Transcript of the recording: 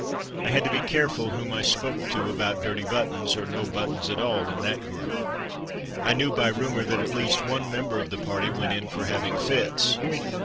I had to be careful whom I spoke to about dirty buttons, or no buttons at all, in that group. I knew by rumour that at least one member of the party went in for having fits.